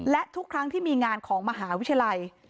และทุกครั้งที่มีงานของมหาวิทยาลัย